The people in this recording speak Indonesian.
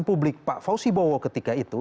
publik pak fauzi bowo ketika itu